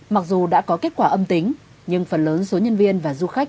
mặc dù đã có kết quả âm tính nhưng phần lớn số nhân viên và du khách